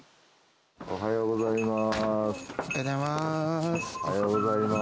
おはようございます。